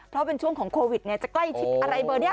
เพราะเป็นช่วงของโควิดจะใกล้ชิดอะไรเบอร์นี้